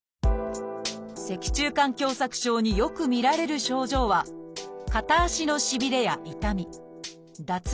脊柱管狭窄症によく見られる症状は片足の「しびれ」や「痛み」「脱力感」です